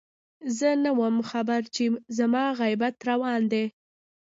زه نه وم خبر چې زما غيبت روان دی